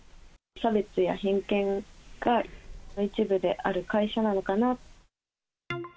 差別や偏見が一部である会社なのかな。